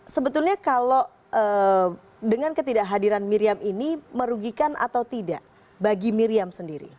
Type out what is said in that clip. sebetulnya kalau dengan ketidakhadiran miriam ini merugikan atau tidak bagi miriam sendiri